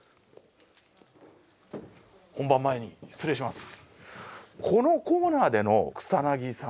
本番前に失礼します。